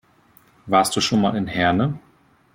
Warst du schon mal in Herne?